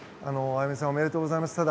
歩夢さんおめでとうございます。